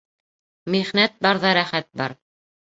Михнәт барҙа рәхәт бар